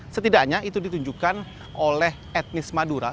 setidaknya itu ditunjukkan oleh etnis madura